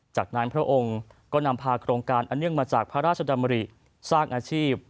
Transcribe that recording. จากนั้นพระองค์ก็นำพาโครงการอันเนื่องมาจากพระราชดำริสร้างอาชีพ